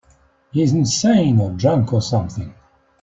He's insane or drunk or something.